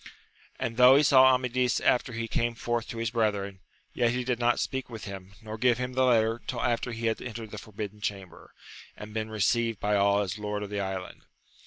And though he saV Amadis after he came forth to his brethren, yet he did not speak with him, nor give him the letter, till after he had entered the Forbidden Chamber, and been re ceived by all as lord of the island.